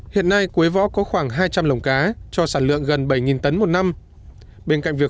hiện nay quế võ có khoảng hai trăm linh lồng cá cho sản lượng gần bảy tấn một năm bên cạnh việc